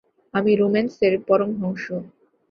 আমি রোম্যান্সের পরমহংস।